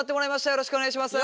よろしくお願いします。